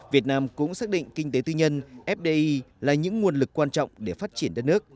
việt nam cũng xác định kinh tế tư nhân fdi là những nguồn lực quan trọng để phát triển đất nước